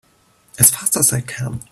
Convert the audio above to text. As fast as I can!